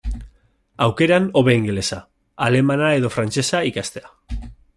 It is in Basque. Aukeran, hobe ingelesa, alemana edo frantsesa ikastea.